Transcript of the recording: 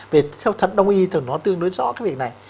về theo thận đồng ý thì nó tương đối rõ cái việc này